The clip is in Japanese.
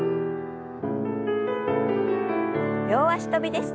両脚跳びです。